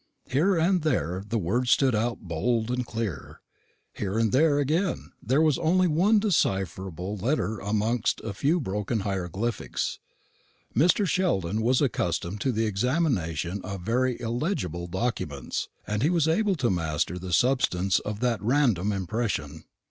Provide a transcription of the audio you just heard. Here and there the words stood out bold and clear; here and there, again, there was only one decipherable letter amongst a few broken hieroglyphics. Mr. Sheldon was accustomed to the examination of very illegible documents, and he was able to master the substance of that random impression.